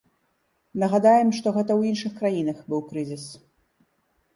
Нагадаем, што гэта ў іншых краінах быў крызіс.